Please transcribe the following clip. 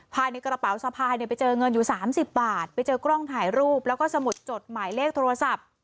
ภายในกระเป๋าสะพายเนี่ยไปเจอเงินอยู่๓๐บาทไปเจอกล้องถ่ายรูปแล้วก็สมุดจดหมายเลขโทรศัพท์